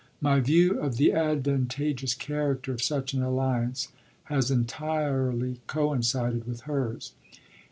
"My view of the advantageous character of such an alliance has entirely coincided with hers."